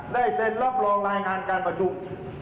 เซ็นรับรองรายงานการประชุม